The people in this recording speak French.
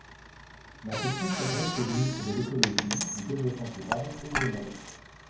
Ma question s’adresse au Ministre de l’écologie, du développement durable et de l’énergie.